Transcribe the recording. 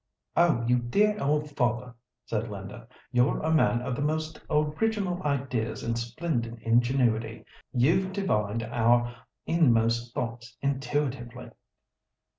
"Oh! you dear old father," said Linda; "you're a man of the most original ideas and splendid ingenuity. You've divined our inmost thoughts intuitively."